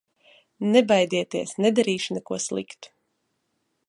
Nebaidieties, nedarīšu neko sliktu!